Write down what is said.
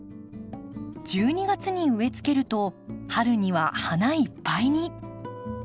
１２月に植えつけると春には花いっぱいに。